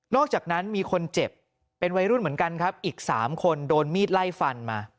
อกจากนั้นมีคนเจ็บเป็นวัยรุ่นเหมือนกันครับอีก๓คนโดนมีดไล่ฟันมา